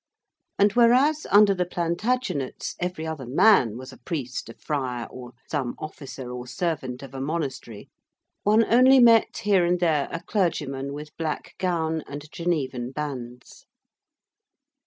And whereas under the Plantagenets every other man was a priest, a friar, or some officer or servant of a monastery, one only met here and there a clergyman with black gown and Genevan bands.